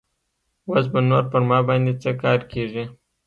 اوس به نور پر ما باندې څه کار کيږي.